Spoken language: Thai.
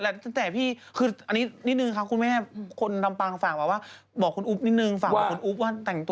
ระวังนะคะพี่เป็นเรือทดล้วงอะไรขึ้นอย่างนี้นะคะ